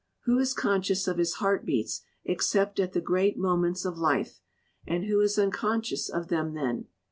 Who is conscious of his heart beats except at the great moments of life, and who is unconscious of them then?